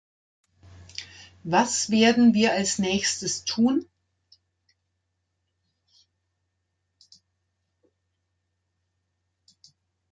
Was werden wir als Nächstes tun?